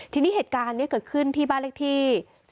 ทีนี้เหตุการณ์นี้เกิดขึ้นที่บ้านเลขที่